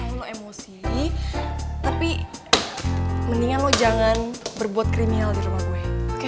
lo emosi tapi mendingan lo jangan berbuat kriminal di rumah gue